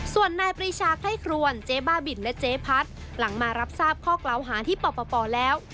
ส่วนนายปรีชาไคร่ครวนเจ๊บ้าบินและเจ๊พัดหลังมารับทราบข้อกล่าวหาที่ปปแล้ว